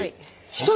１人？